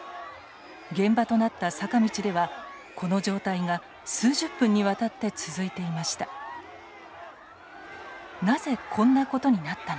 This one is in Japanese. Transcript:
現場となった坂道ではこの状態が数十分にわたって続いていました。